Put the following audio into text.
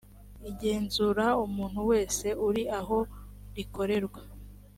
igenzura umuntu wese uri aho rikorerwa